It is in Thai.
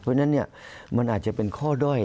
เพราะฉะนั้นมันอาจจะเป็นข้อด้อย